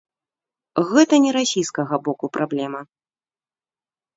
Гэта не расійскага боку праблема.